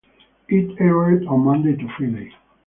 It aired on Monday to Friday.